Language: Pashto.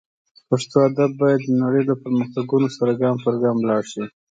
پښتو ادب باید د نړۍ له پرمختګونو سره ګام پر ګام لاړ شي